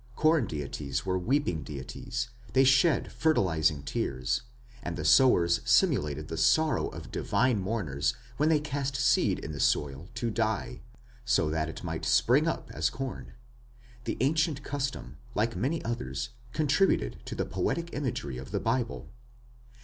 Corn deities were weeping deities, they shed fertilizing tears; and the sowers simulated the sorrow of divine mourners when they cast seed in the soil "to die", so that it might spring up as corn. This ancient custom, like many others, contributed to the poetic imagery of the Bible.